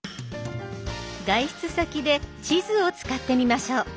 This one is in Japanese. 外出先で地図を使ってみましょう。